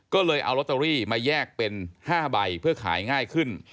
ก็เลยเอาลอตเตอรี่มาแยกเป็น๕ใบเพื่อขายง่ายขึ้น